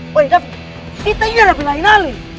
woy kita juga udah bilangin alih